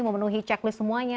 memenuhi checklist semuanya